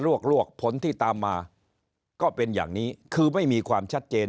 ลวกผลที่ตามมาก็เป็นอย่างนี้คือไม่มีความชัดเจน